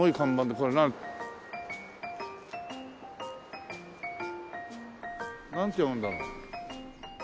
これ何？なんて読むんだろう？